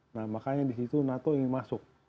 nah makanya di situ nato ingin masuk